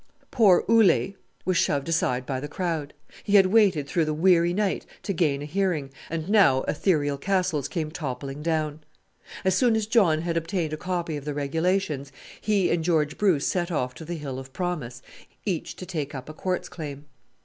Poor Ole was shoved aside by the crowd. He had waited through the weary night to gain a hearing, and now ethereal castles came toppling down! As soon as John had obtained a copy of the regulations he and George Bruce set off to the hill of promise, each to take up a quartz claim.